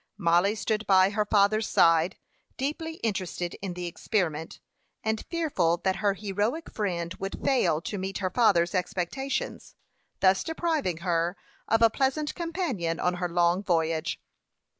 Mollie stood by her father's side, deeply interested in the experiment, and fearful that her heroic friend would fail to meet her father's expectations, thus depriving her of a pleasant companion on her long voyage.